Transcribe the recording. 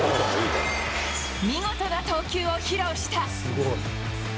見事な投球を披露した。